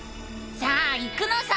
さあ行くのさ！